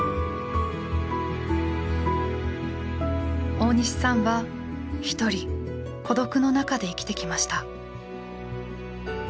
大西さんはひとり孤独の中で生きてきました。